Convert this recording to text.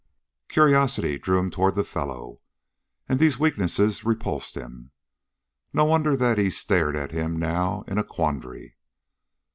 Curiosity drew him toward the fellow; and these weaknesses repulsed him. No wonder that he stared at him now in a quandary.